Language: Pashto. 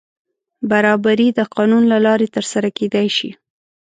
برابري د قانون له لارې تر سره کېدای شي.